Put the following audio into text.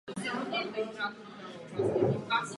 Zvažme různá řešení.